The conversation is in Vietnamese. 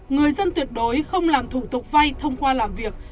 người dân tuyệt đối không làm thủ tục vay thông qua làm việc